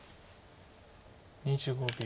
２５秒。